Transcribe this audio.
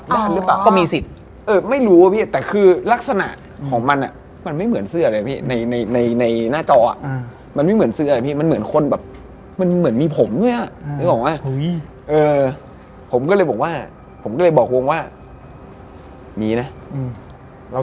นอนที่บ้านลำโผนี่น่ะ